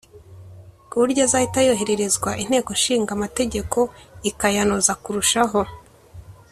ku buryo azahita yohererezwa Inteko ishinga amategeko ikayanoza kurushaho